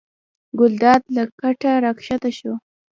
ګلداد له کټه راکښته شو.